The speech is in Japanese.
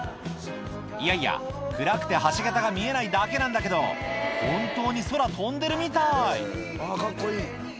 いやいや暗くて橋桁が見えないだけなんだけど本当に空飛んでるみたいカッコいい。